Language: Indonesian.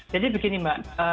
jadi begini mbak